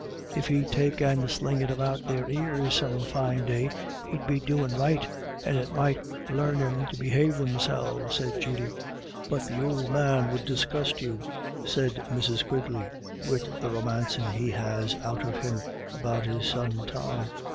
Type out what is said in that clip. " If he'd take and sling it about their ears some fine day, he'd be doin' right, and it might larn them to behave themselves," said Judy. COMING AND GOING. 293 "But the ould man would disgust you," said Mrs. Quigley, " wid the romancin' he has out of him about his son Tom.